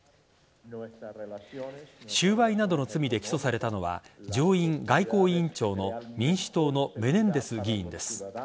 収賄などの罪で起訴されたのは上院外交委員長の民主党のメネンデス議員です。